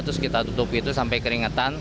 terus kita tutup itu sampai keringetan